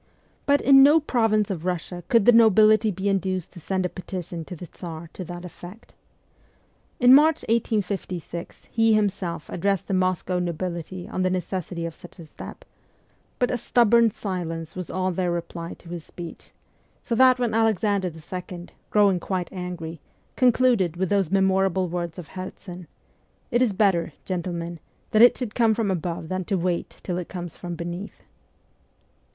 But in no province of Eussia could the nobility be induced to send a petition to the Tsar to that effect. In March 1856 he himself addressed the Moscow nobility on the necessity of such a step ; but a stubborn silence was all their reply to his speech, so that Alexander II., growing quite angry, concluded with those memorable words of Herzen : 'It is better, gentlemen, that it should come from above than to wait till it comes from beneath.'